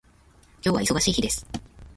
今日は忙しい日です